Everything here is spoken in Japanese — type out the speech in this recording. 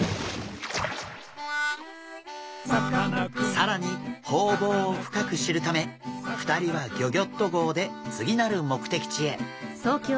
更にホウボウを深く知るため２人はギョギョッと号で次なる目的地へ。